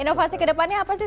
inovasi kedepannya apa sih